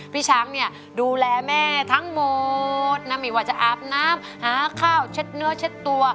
พี่ช้างเนี่ยดูแลแม่ทั้งหมดนะไม่ว่าจะอาบน้ำหาข้าวเช็ดเนื้อเช็ดตัว